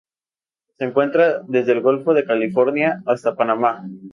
Se encuentra desde el golfo de California hasta Panamá.